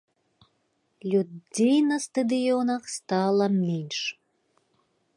Людзей на стадыёнах стала менш.